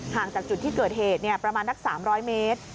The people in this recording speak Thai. จากจุดที่เกิดเหตุประมาณนัก๓๐๐เมตร